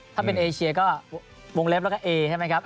ถ้าเป็นเอเชียก็วงเล็บแล้วก็เอใช่ไหมครับ